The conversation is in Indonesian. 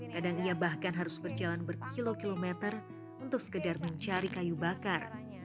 kadang ia bahkan harus berjalan berkilo kilometer untuk sekedar mencari kayu bakar